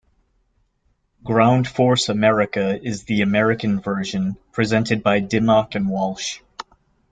Ground Force America is the American version, presented by Dimmock and Walsh.